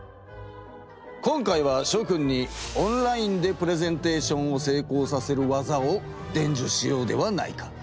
今回はしょくんにオンラインでプレゼンテーションをせいこうさせる技をでんじゅしようではないか。